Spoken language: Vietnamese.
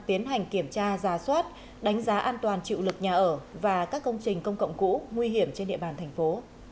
tiến hành kiểm tra giả soát đánh giá an toàn chịu lực nhà ở và các công trình công cộng cũ nguy hiểm trên địa bàn thành phố